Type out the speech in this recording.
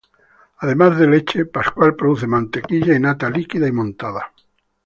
Además de leche, Pascual produce mantequilla y nata líquida y montada.